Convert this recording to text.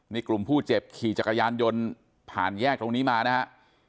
นี่กลุ่มผู้เจ็บขี่จักรยานยนต์ผ่านแยกตรงนี้มานะฮะ